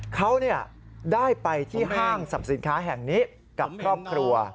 เขาได้ไปที่ห้างสรรพสินค้าแห่งนี้กับครอบครัว